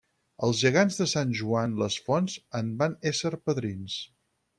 Els gegants de Sant Joan les Fonts en van ésser padrins.